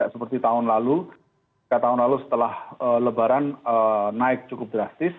seperti tahun lalu setelah lebaran naik cukup drastis